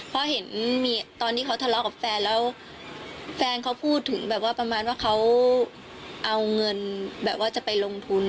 เพราะเห็นมีตอนที่เขาทะเลาะกับแฟนแล้วแฟนเขาพูดถึงแบบว่าประมาณว่าเขาเอาเงินแบบว่าจะไปลงทุน